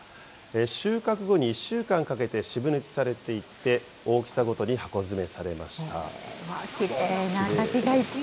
収穫後に１週間かけて渋抜きされていて、大きさごとに箱詰めされきれいな柿がいっぱい。